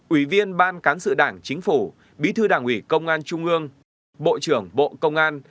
ủy viên ban cán sự đảng chính phủ bí thư đảng ủy công an trung ương bộ trưởng bộ công an